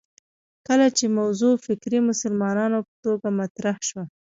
کله چې موضوع فکري مسلماتو په توګه مطرح شوه